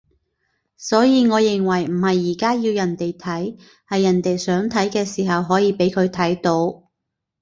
所以我認為唔係而家要人哋睇，係人哋想睇嘅時候可以畀佢睇到